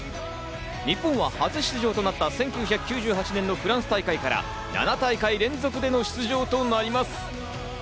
日本は初出場となった１９９８年のフランス大会から７大会連続での出場となります。